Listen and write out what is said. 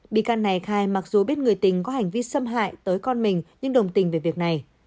bị can này khai mặc dù biết người tình có hành vi xâm hại tới con mình nhưng đồng tình về việc này